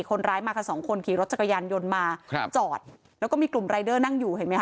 คนร้ายมากันสองคนขี่รถจักรยานยนต์มาครับจอดแล้วก็มีกลุ่มรายเดอร์นั่งอยู่เห็นไหมค